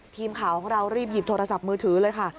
ทีมข่าวของเรารีบหยิบโทรศัพท์มือถือเลยค่ะ